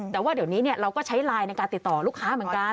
แต่ว่าเดี๋ยวนี้เราก็ใช้ไลน์ในการติดต่อลูกค้าเหมือนกัน